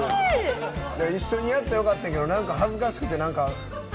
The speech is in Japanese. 一緒にやったらよかったけどなんか恥ずかしくて。